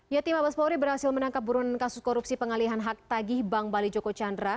ya tim abas polri berhasil menangkap buruan kasus korupsi pengalihan hak tagih bank bali joko candra